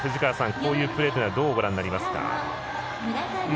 こういうプレーというのはどうご覧になりますか。